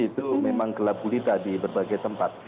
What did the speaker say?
itu memang gelap gulita di berbagai tempat